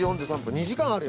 ２時間あるよ。